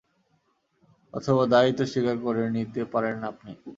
অথবা দায়িত্ব স্বীকার করে নিতে পারেন আপনি।